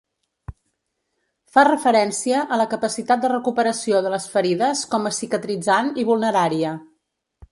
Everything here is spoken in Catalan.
Fa referència a la capacitat de recuperació de les ferides com a cicatritzant i vulnerària.